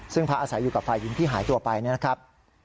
ซึ่งพักอาศัยอยู่กับฝ่ายหญิงที่หายตัวไปนะครับ